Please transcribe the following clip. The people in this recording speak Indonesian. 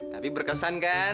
tapi berkesan kan